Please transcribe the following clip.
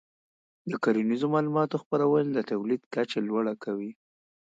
د کرنیزو معلوماتو خپرول د تولید کچه لوړه کوي.